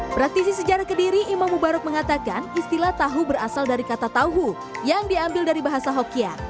praktisi sejarah kediri imam mubarok mengatakan istilah tahu berasal dari kata tahu yang diambil dari bahasa hokia